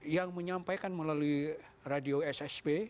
yang menyampaikan melalui radio ssb